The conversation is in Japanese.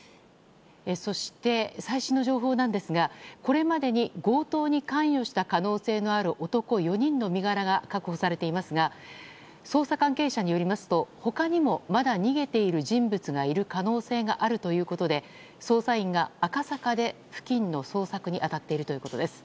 そして、最新の情報ですがこれまでに強盗に関与した可能性のある男４人の身柄が確保されていますが捜査関係者によりますと他にもまだ逃げている人物がいる可能性があるということで捜査員が赤坂で付近の捜索に当たっているということです。